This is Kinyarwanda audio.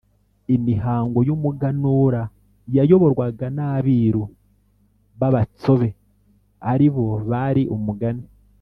imihango y umuganura yayoborwaga n abiru b abatsobe ari bo bari umugani